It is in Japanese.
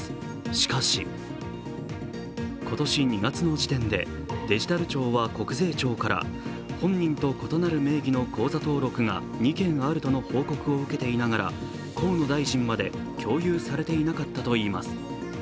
しかし、今年２月の時点でデジタル庁は国税庁から本人と異なる名義の口座登録が２件あるとの報告を受けていながら河野大臣まで共有されていなかったといいます。